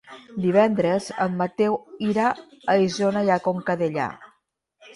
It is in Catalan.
Divendres en Mateu irà a Isona i Conca Dellà.